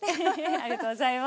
ありがとうございます。